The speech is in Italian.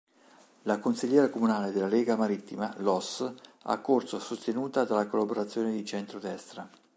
La consigliera comunale della Lega Martina Loss ha corso sostenuta dalla coalizione di centro-destra.